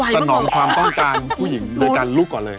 สนองความต้องการผู้หญิงโดยการลุกก่อนเลย